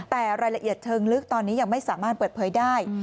แต่รายละเอียดเชิงลึกตอนนี้ยังไม่สามารถเปิดเผยได้